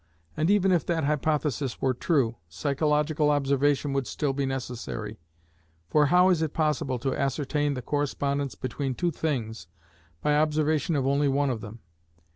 And even if that hypothesis were true, psychological observation would still be necessary; for how is it possible to ascertain the correspondence between two things, by observation of only one of them?